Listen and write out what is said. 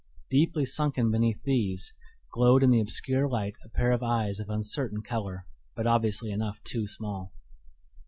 Deeply sunken beneath these, glowed in the obscure light a pair of eyes of uncertain color, but obviously enough too small.